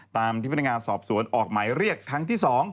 ตามที่พนักงานสอบสวนออกหมายเรียกครั้งที่๒